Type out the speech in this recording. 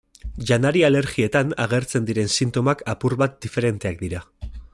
Janari-alergietan agertzen diren sintomak apur bat diferenteak dira.